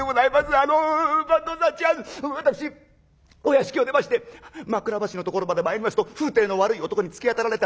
あの番頭さん違う私お屋敷を出まして枕橋のところまで参りますと風体の悪い男に突き当たられたんです。